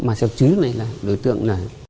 mà theo chứng này là đối tượng